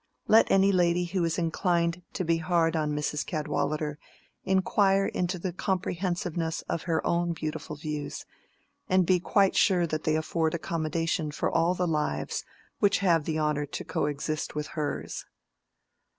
Let any lady who is inclined to be hard on Mrs. Cadwallader inquire into the comprehensiveness of her own beautiful views, and be quite sure that they afford accommodation for all the lives which have the honor to coexist with hers.